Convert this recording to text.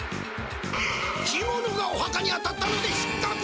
着物がおはかに当たったのでしっかく！